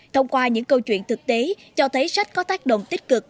thông qua những câu chuyện thực tế cho thấy sách có tác động tích cực